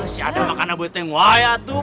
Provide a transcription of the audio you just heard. si adam makanan buat yang waya tuh